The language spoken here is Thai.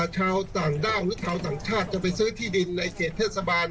ชาวต่างด้าวหรือชาวต่างชาติจะไปซื้อที่ดินในเขตเทศบาล